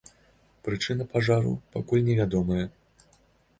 Прычына пажару пакуль невядомая.